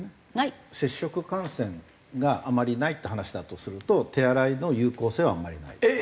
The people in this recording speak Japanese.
接触感染があまりないって話だとすると手洗いの有効性はあんまりないです。